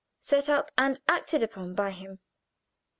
Set up and acted upon by him.